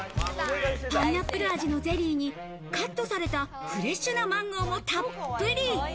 パイナップル味のゼリーにカットされたフレッシュなマンゴーもたっぷり。